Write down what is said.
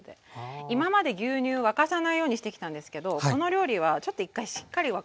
今まで牛乳沸かさないようにしてきたんですけどこの料理はちょっと一回しっかり沸かします。